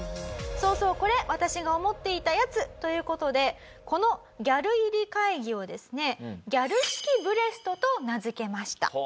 そうそうこれ私が思っていたやつという事でこのギャル入り会議をですねギャル式ブレストと名付けました。